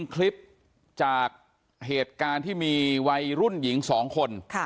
คลิปจากเหตุการณ์ที่มีวัยรุ่นหญิง๒คน